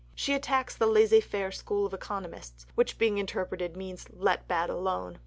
She attacks the laisser faire school of economists, "which being interpreted means Let bad alone."